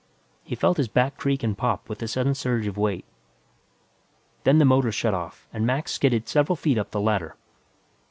He felt his back creak and pop with the sudden surge of weight. Then the motors shut off, and Mac skidded several feet up the ladder.